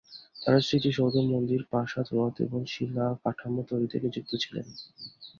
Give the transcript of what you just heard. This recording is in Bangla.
তারা স্মৃতিসৌধ, মন্দির, প্রাসাদ, রথ এবং শিলা কাঠামো তৈরিতেও নিযুক্ত ছিল।